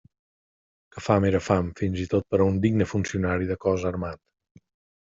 Que fam era fam, fins i tot per a un digne funcionari de cos armat.